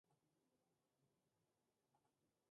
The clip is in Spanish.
Habita en Mozambique y Angola.